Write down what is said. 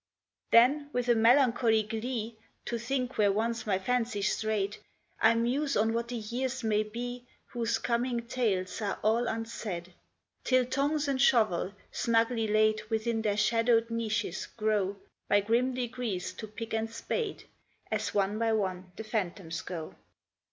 Then, with a melancholy glee To think where once my fancy strayed, I muse on what the years may be Whose coming tales are all unsaid, Till tongs and shovel, snugly laid Within their shadowed niches, grow By grim degrees to pick and spade, As one by one the phantoms go.